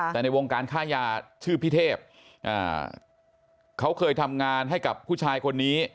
แต่ในวงการค่ายาชื่อพิเทพเขาเคยทำงานให้กับผู้ชายคนนี้